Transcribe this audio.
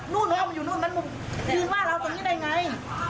ลูกหนูเอามันอยู่นู้นมันบุกยืนว่าเราตรงนี้ได้ไง